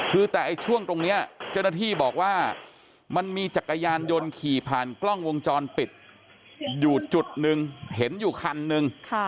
คือแต่ช่วงตรงนี้เจ้าหน้าที่บอกว่ามันมีจักรยานยนต์ขี่ผ่านกล้องวงจรปิดอยู่จุดหนึ่งเห็นอยู่คันนึง